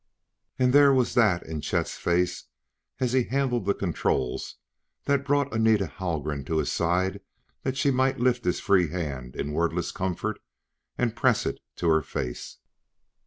And there was that in Chet's face as he handled the controls that brought Anita Haldgren to his side that she might lift his free hand in wordless comfort and press it to her face.